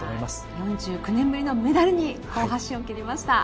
４７年ぶりのメダルに好発進を切りました。